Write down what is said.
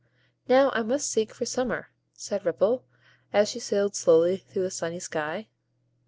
"Now I must seek for Summer," said Ripple, as she sailed slowly through the sunny sky.